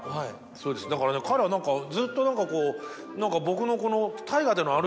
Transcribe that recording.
そうですだからね彼は何かずっと何かこう僕のこの。